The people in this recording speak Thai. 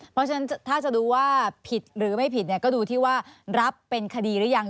เพราะฉะนั้นถ้าจะดูว่าผิดหรือไม่ผิดเนี่ยก็ดูที่ว่ารับเป็นคดีหรือยัง